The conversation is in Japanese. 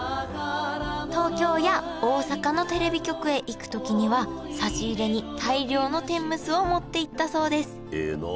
東京や大阪のテレビ局へ行くときには差し入れに大量の天むすを持っていったそうです。